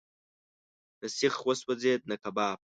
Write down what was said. نه سیخ وسوځېد، نه کباب.